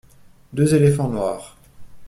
Deux éléphants noirs.